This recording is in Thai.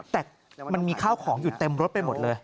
แต่มันมีข้าวของอยู่เต็มรถไปหมดเลย